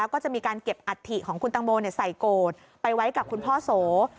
ก็จะมีการเก็บอัฐิของคุณตังโมใส่โกรธไปไว้กับคุณพ่อโส